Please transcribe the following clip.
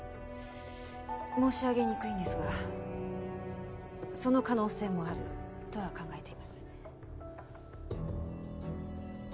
申し上げにくいんですがその可能性もあるとは考えています。